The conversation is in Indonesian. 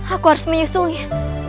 aku harus menyusulnya